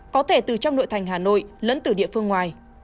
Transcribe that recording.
có thể từ trong nội thành hà nội lẫn từ địa phương ngoài